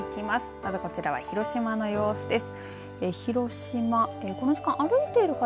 まずこちらは広島の様子です。